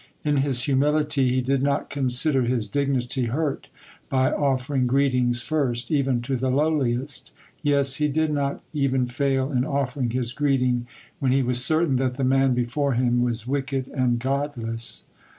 In his humility, he did not consider his dignity hurt by offering greetings first even to the lowliest, yes, he did not even fail in offering his greeting when he was certain that the man before him was wicked and godless.